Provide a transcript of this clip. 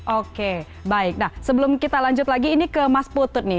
oke baik nah sebelum kita lanjut lagi ini ke mas putut nih